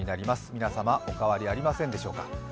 皆様、お変わりありませんでしょうか。